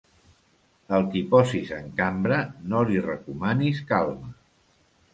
Al qui posis en cambra, no li recomanis calma.